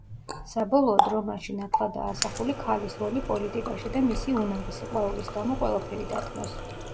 საბოლოოდ, რომანში ნათლადაა ასახული ქალის როლი პოლიტიკაში და მისი უნარი, სიყვარულის გამო ყველაფერი დათმოს.